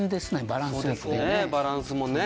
バランスもね。